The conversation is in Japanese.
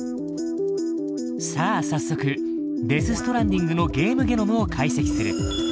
さあ早速「デス・ストランディング」のゲームゲノムを解析する。